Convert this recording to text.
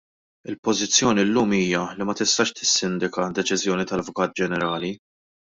Il-pożizzjoni llum hija li ma tistax tissindika deċiżjoni tal-Avukat Ġenerali.